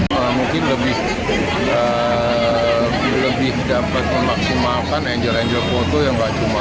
malah mungkin lebih dapat memaksimalkan angel angel foto yang nggak cuma